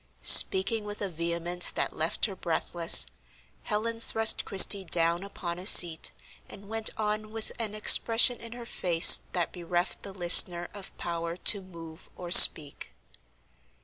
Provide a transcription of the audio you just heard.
Speaking with a vehemence that left her breathless, Helen thrust Christie down upon a seat, and went on with an expression in her face that bereft the listener of power to move or speak.